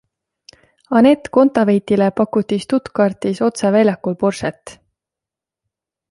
Anett Kontaveitile pakuti Stuttgartis otse väljakul Porschet!